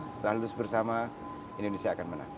setelah lulus bersama indonesia akan menang